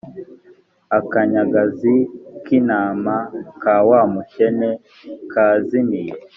akanyagazi k’intama ka wa mukene kazimiye